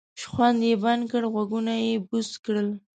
شخوند یې بند کړ غوږونه یې بوڅ کړل.